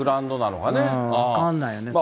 分かんないよね。